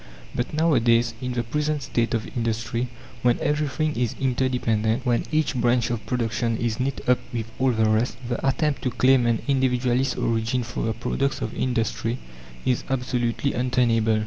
But nowadays, in the present state of industry, when everything is interdependent, when each branch of production is knit up with all the rest, the attempt to claim an Individualist origin for the products of industry is absolutely untenable.